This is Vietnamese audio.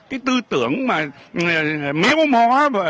cái tư tưởng mà méo mó